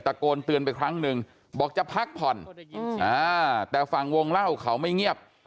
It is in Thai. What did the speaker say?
โกนเตือนไปครั้งหนึ่งบอกจะพักผ่อนแต่ฝั่งวงเล่าเขาไม่เงียบ